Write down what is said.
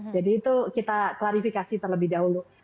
jadi itu kita klarifikasi terlebih dahulu